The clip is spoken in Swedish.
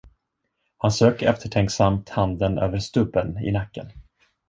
Han strök eftertänksamt handen över stubben i nacken.